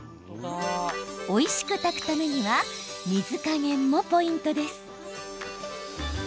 おいしく炊くためには水加減もポイントです。